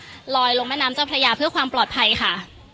ลอยลงแม่น้ำเจ้าพระยาเพื่อความปลอดภัยค่ะ